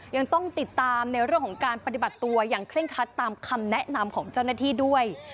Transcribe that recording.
ยังต้องติดตามในเรื่องของการปฏิบัติตัวอย่างเคร่งคัดตามคำแนะนำของเจ้าหน้าที่ด้วย